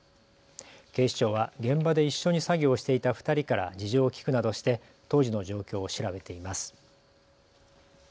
警視庁は現場で一緒に作業していた２人から事情を聴くなどして当時の状況を調べています。